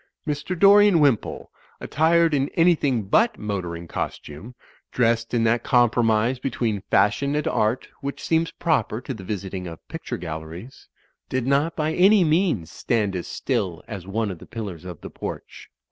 Mr. Dorian Wimpole, attired in anything but motoring costume, dressed in that com promise between fashion and art which seems proper to the visiting of picture galleries, did not by any means stand as still as one of the pillars of the porch.